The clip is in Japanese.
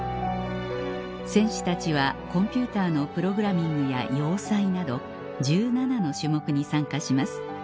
選手たちはコンピューターのプログラミングや洋裁など１７の種目に参加します